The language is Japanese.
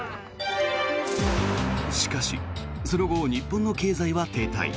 しかしその後、日本の経済は停滞。